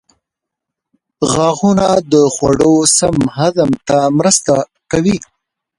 غاښونه د خوړو سم هضم ته مرسته کوي.